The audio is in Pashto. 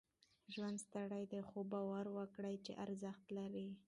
ژوند ستړی دی، خو؛ باور وکړئ چې ارزښت لري.